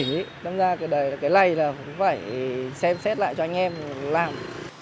năm ra cái này là cũng phải xem xét lại cho anh em làm